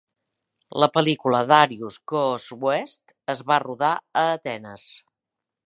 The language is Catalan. La pel·lícula "Darius Goes West" es va rodar a Atenes.